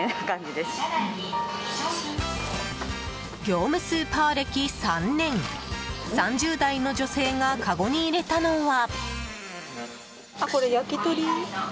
業務スーパー歴３年３０代の女性がかごに入れたのは。